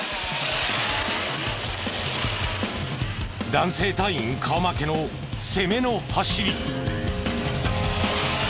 男性隊員顔負けの攻めの走り。